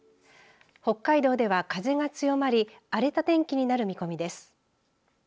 北海道では風が強まり荒れた天気になる見込みです。